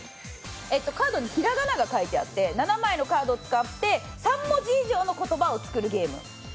カードに平仮名が書いてあって７枚のカードを使って３文字以上の言葉を作るゲーム。